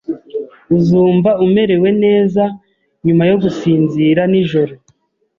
Uzumva umerewe neza nyuma yo gusinzira nijoro.